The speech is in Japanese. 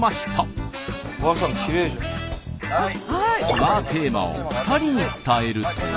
ツアーテーマを２人に伝えると。